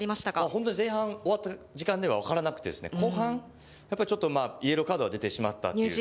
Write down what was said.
本当に前半終わった時間では分からなくて、後半、やっぱりちょっと、イエローカードが出てしまったということと。